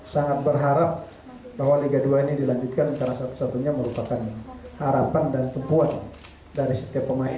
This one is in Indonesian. sangat berharap bahwa liga dua ini dilanjutkan karena satu satunya merupakan harapan dan tempuan dari setiap pemain